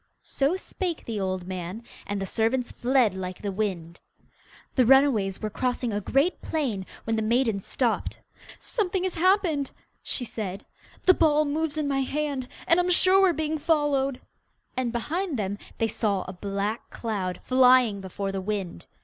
So spake the old man, and the servants fled like the wind. The runaways were crossing a great plain, when the maiden stopped. 'Something has happened!' she said. 'The ball moves in my hand, and I'm sure we are being followed!' and behind them they saw a black cloud flying before the wind.